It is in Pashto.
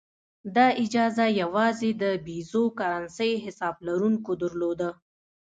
دا اجازه یوازې د پیزو کرنسۍ حساب لرونکو درلوده.